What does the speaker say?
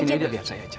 biar sini biar saya aja